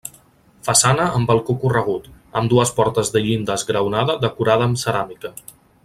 Façana amb balcó corregut, amb dues portes de llinda esgraonada decorada amb ceràmica.